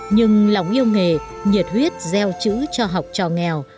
nhưng lòng yêu nghề nhiệt huyết gieo chữ cho học trò nghèo